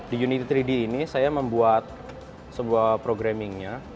di unity tiga d ini saya membuat sebuah programmingnya